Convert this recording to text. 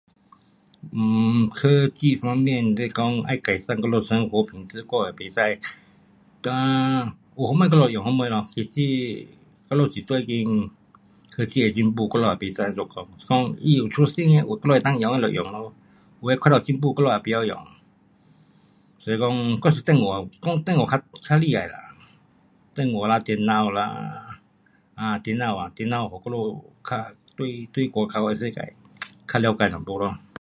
[um]科技方面你说要改善我们的生活品质，我也不知[um]有什么我们用什么咯,我们是最近科技的进步我们也不知要怎么说,如果有interesting的我们能够用就用咯。有的看了酱久我都不会用，所以说还是电话讲电话比较厉害啦。电话啦电脑啦[um]电脑啊电脑给我们较对外面的世界较了解一点咯。